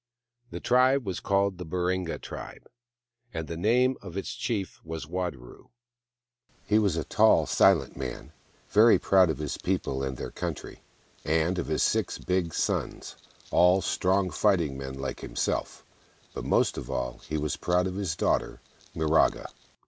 The tribe was called the Baringa tribe, and the name of its chief was Wadaro. He was a tall, silent man, very proud of his people and their country, and of his six big sons — all strong fighting men, like himself— but most of all, he was proud of his daughter, Miraga.